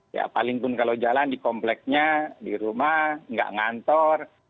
ya paling pun kalau jalan di kompleknya di rumah nggak ngantor